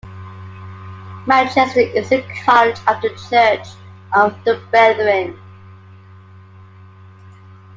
Manchester is a college of the Church of the Brethren.